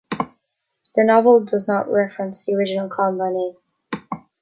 The novel does not reference the original con by name.